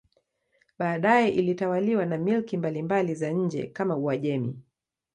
Baadaye ilitawaliwa na milki mbalimbali za nje kama Uajemi.